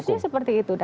harusnya seperti itu